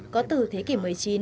có từ thế kỷ một mươi chín